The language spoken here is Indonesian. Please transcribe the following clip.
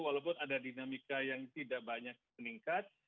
walaupun ada dinamika yang tidak banyak meningkat